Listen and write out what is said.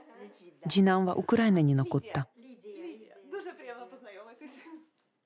次男はウクライナに残った。